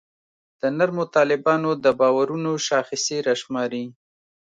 د نرمو طالبانو د باورونو شاخصې راشماري.